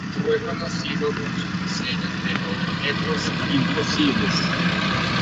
Fue conocido por sus diseños de objetos imposibles.